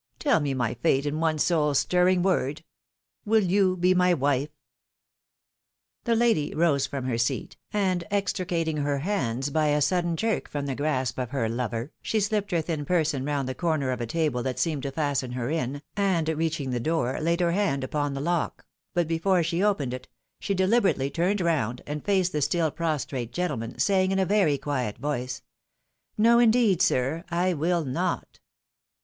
Tell me my fate in one soul stirring word — WiU you be my wife ?" The lady rose from her seat, and extricating her hands by a sudden jerk from the grasp of her lover, she slipped her thin person round the corner of a table that seemed to fasten her in, and reaching the door, laid her hand upon the lock ; but before she opened it, she deliberately turned round, and faced the stOl prostrate gentleman, saying in a very quiet voice, " No, indeed, sir, I wiU not."